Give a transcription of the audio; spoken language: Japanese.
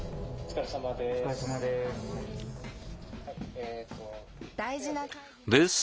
お疲れさまです。